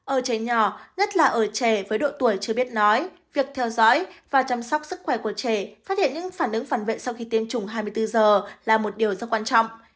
ở trẻ nhỏ nhất là ở trẻ với độ tuổi chưa biết nói việc theo dõi và chăm sóc sức khỏe của trẻ phát hiện những phản ứng phản vệ sau khi tiêm chủng hai mươi bốn giờ là một điều rất quan trọng